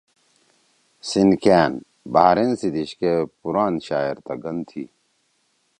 سیِنکیأن/بحرین سی دیِشکے پُوران شاعر تا گن تھی۔